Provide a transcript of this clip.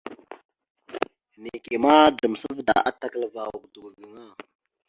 Neke ka damsavda atakalva godogo gaŋa.